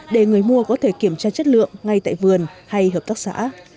để người mua có thể kiểm tra chất lượng ngay tại vườn hay hợp tác xã